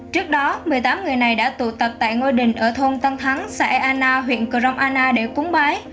trước đó một mươi tám người này đã tụ tập tại ngôi đình ở thôn tân thắng xã eanna huyện crong anna để cúng bái